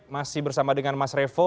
masih bersama dengan mas revo